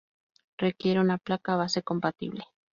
Requiere una placa base compatible.